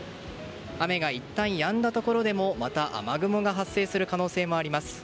雨がいったんやんだところでもまた雨雲が発生する可能性もあります。